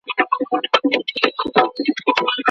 څنګه کولای سو په خپل ورځني ژوند کي مثبت بدلونونه راولو؟